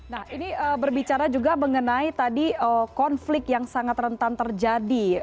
nah ini berbicara juga mengenai tadi konflik yang sangat rentan terjadi